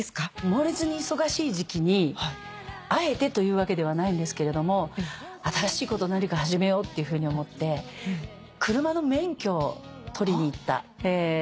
猛烈に忙しい時期にあえてというわけではないんですけれども新しいこと何か始めようっていうふうに思って車の免許を取りに行った。